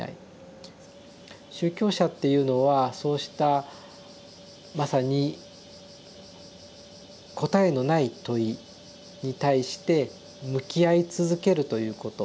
宗教者っていうのはそうしたまさに答えのない問いに対して向き合い続けるということ。